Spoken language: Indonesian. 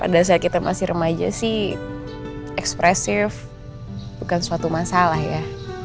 pada saat kita masih remaja sih ekspresif bukan suatu masalah ya